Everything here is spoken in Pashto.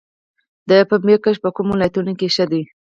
د پنبې کښت په کومو ولایتونو کې ښه دی؟